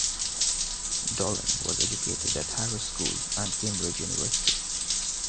Dolling was educated at Harrow School and Cambridge University.